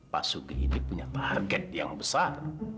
pak sugi ini punya target yang besar